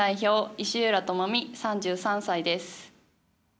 石浦智美、３３歳です。